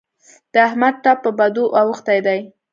د احمد ټپ په بدو اوښتی دی.